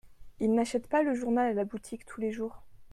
Ils n'achètent pas le journal à la boutique tous les jours